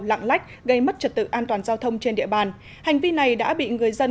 lặng lách gây mất trật tự an toàn giao thông trên địa bàn hành vi này đã bị người dân